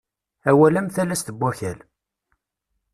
Awal am talast n wakal.